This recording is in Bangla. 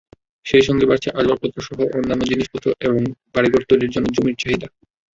সেই সঙ্গে বাড়ছে আসবাবপত্রসহ অন্যান্য জিনিসপত্র এবং বাড়িঘর তৈরির জন্য জমির চাহিদা।